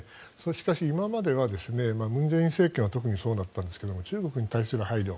しかし、今までは文在寅政権は特にそうだったんですが中国に対する配慮